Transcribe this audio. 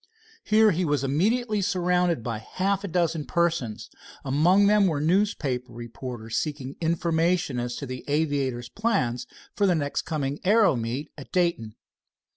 Here he was immediately surrounded by half a dozen persons. Among them were newspaper reporters seeking information as to the aviator's plans for the next coming aero meet at Dayton.